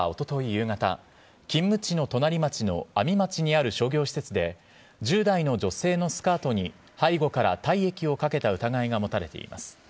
夕方、勤務地の隣町の阿見町にある商業施設で、１０代の女性のスカートに背後から体液をかけた疑いが持たれています。